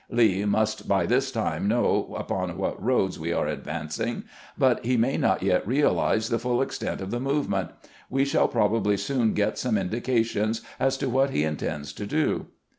Lee must by this time know upon what roads we are advancing, but he may not yet realize the fuU extent of the movement. We shall probably soon get some indications as to what he intends to do."